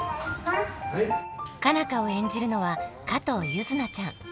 佳奈花を演じるのは加藤柚凪ちゃん。